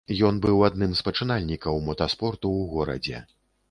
Ён быў адным з пачынальнікаў мотаспорту ў горадзе.